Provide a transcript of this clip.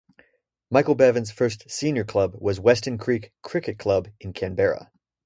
Michael Bevan's first senior club was Weston Creek Cricket Club in Canberra.